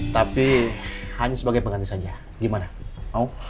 tapi hanya sebagai pengganti saja gimana mau